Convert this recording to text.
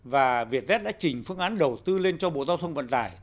và viettese đã chỉnh phương án đầu tư lên cho bộ giao thông vận tải